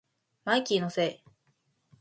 マイキーのせい